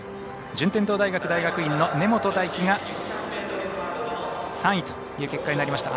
順天堂大学大学院の根本大輝が３位という結果になりました。